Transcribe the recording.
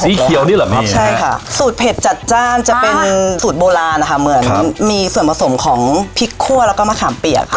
เขียวนี่เหรอครับใช่ค่ะสูตรเผ็ดจัดจ้านจะเป็นสูตรโบราณนะคะเหมือนมีส่วนผสมของพริกคั่วแล้วก็มะขามเปียกค่ะ